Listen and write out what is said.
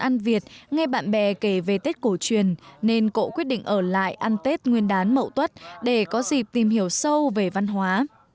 nghe bạn bè kể về tết cổ truyền nên cậu quyết định ở lại ăn tết nguyên đán mậu tuất để có dịp tìm hiểu sâu về văn hóa